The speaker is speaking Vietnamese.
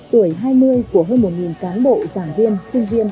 tuổi hai mươi của hơn một cán bộ giảng viên sinh viên